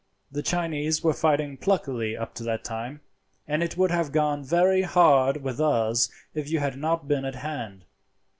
"The Chinese were fighting pluckily up to that time, and it would have gone very hard with us if you had not been at hand.